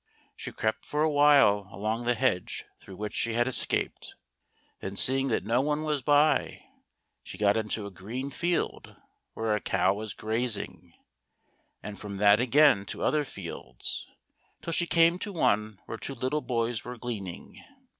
She crept for a while along the hedge through which she had escaped, then seeing that no one was by, she got into a green field where a cow was grazing, and from that again to other fields, till she came to one where two little boys were gleaning.